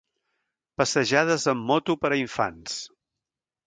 Passejades amb moto per a infants.